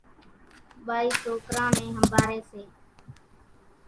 ٻائِي سوڪران نين ۿنڀاريَ سي۔